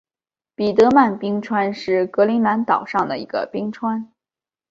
彼得曼冰川是格陵兰岛上的一个冰川。